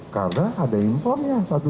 karena ada impornya satu empat juta ton